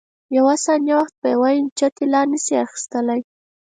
یوه ثانیه وخت په یوې انچه طلا نه شې اخیستلای.